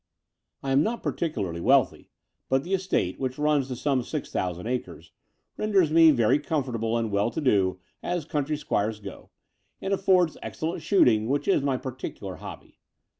I am not particularly wealthy, but the estate, which runs to some six thousand acres, renders me very comfortable and well to do as country squires go, and affords excellent shooting, which is my particular hobby.